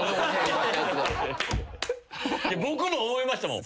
僕も思いましたもん。